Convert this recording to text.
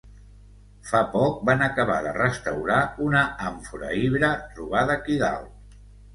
Fa poc van acabar de restaurar una àmfora ibera trobada aquí dalt.